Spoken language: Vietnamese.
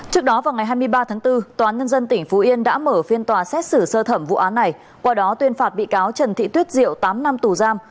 trước đó vào ngày hai mươi ba bốn tòa nhân dân tỉnh phú yên đã mở phiên tòa xét xử sơ thẩm vụ án này qua đó tuyên phạt bị cáo trần tiyết diệu tám năm tù giam